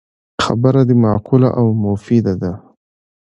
خبره دی معقوله او مفیده ده